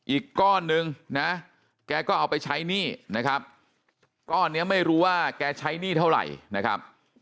อีกก้อนนึงนะแกก็เอาไปใช้หนี้นะครับก้อนนี้ไม่รู้ว่าแกใช้หนี้เท่าไหร่นะครับ